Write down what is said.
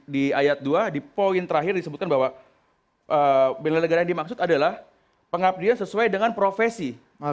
di ayat dua di poin terakhir disebutkan bahwa bela negara yang dimaksud adalah pengabdian sesuai dengan profesi